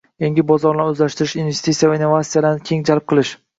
Yangi bozorlarni o‘zlashtirish, investitsiya va innovatsiyalarni keng jalb qilish